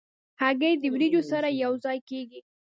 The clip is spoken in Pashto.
هګۍ د وریجو سره یو ځای کېږي.